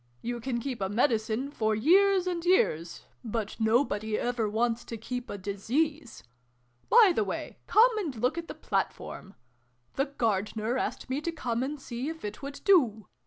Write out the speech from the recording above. You can keep a Medicine, for years and years : but nobody ever wants to keep a Disease ! By the way, come and look at the platform. The Gardener asked me to come and see if it would do.